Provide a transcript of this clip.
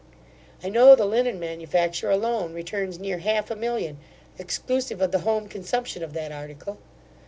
I know the linen manufacture alone returns near half a million, exclusive of the home consumption of that article.